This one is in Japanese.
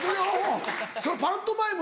そのパントマイム